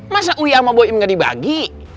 masa uyama boim gak dibagi